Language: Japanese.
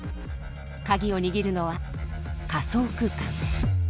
カギを握るのは仮想空間です。